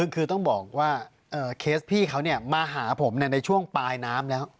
คือต้องบอกว่าเคสพี่เค้าเนี่ยมาหาผมเนี่ยในช่วงป่ายน้ำแล้ว